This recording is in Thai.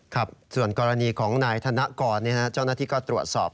ครับส่วนกรณีของนายธนกรเจ้าหน้าที่ก็ตรวจสอบ